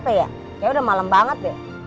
kayaknya udah malem banget deh